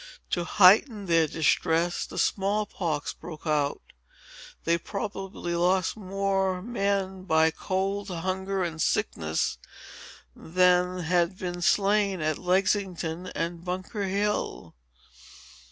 To heighten their distress, the small pox broke out. They probably lost far more men by cold, hunger, and sickness, than had been slain at Lexington and Bunker Hill."